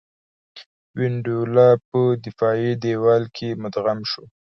وینډولا په دفاعي دېوال کې مدغم شو.